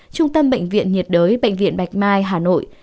trung tâm bệnh viện nhiệt đới bệnh viện bạch mai hà nội